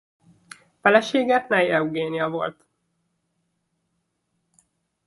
Felesége Ney Eugénia volt.